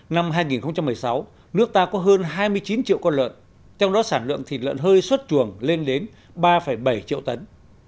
năm hai nghìn một mươi sáu nước ta có hơn hai mươi chín triệu con lợn trong đó sản lượng thịt lợn hơi xuất chuồng lên đến ba bảy triệu tấn